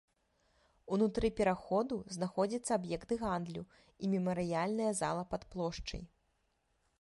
Унутры пераходу знаходзяцца аб'екты гандлю і мемарыяльная зала пад плошчай.